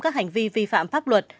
các hành vi vi phạm pháp luật